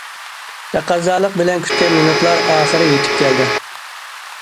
تەقەززالىق بىلەن كۈتكەن مىنۇتلار ئاخىرى يېتىپ كەلدى.